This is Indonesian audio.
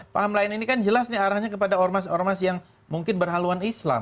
paham lain ini kan jelas nih arahnya kepada ormas ormas yang mungkin berhaluan islam